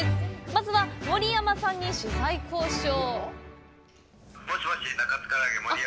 まずは、もり山さんに取材交渉。